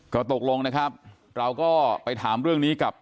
ก็ตกลงนะครับเราก็ไปถามเรื่องนี้กับ